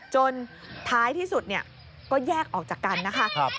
ท้ายที่สุดก็แยกออกจากกันนะคะ